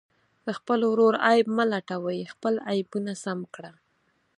د خپل ورور عیب مه لټوئ، خپل عیبونه سم کړه.